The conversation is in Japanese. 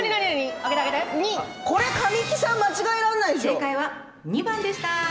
正解は、２番でした。